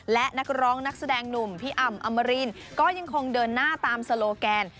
และนักร้องนักแสดงหนุ่มพี่อ่ำอมรินก็ยังคงเดินหน้าตามสโลแกน